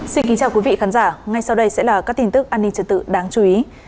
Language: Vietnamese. xin kính chào quý vị khán giả ngay sau đây sẽ là các tin tức an ninh trật tự đáng chú ý